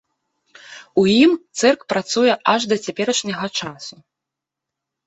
У ім цырк працуе аж да цяперашняга часу.